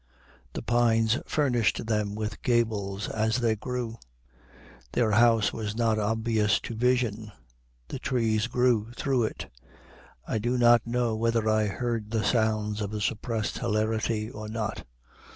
The pines furnished them with gables as they grew. Their house was not obvious to vision; the trees grew through it. I do not know whether I heard the sounds of a suppressed hilarity or not.